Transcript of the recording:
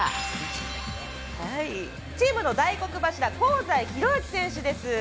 チームの大黒柱香西宏昭選手です。